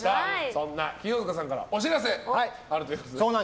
そんな清塚さんからお知らせがあるということで。